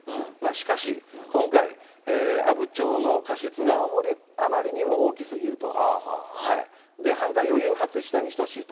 しかし、今回、阿武町の過失があまりにも大きすぎると。